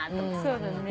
そうだね。